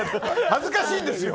恥ずかしいんですよ！